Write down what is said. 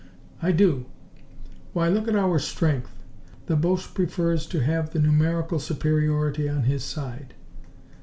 "I do. Why, look at our strength! The Boche prefers to have the numerical superiority on his side."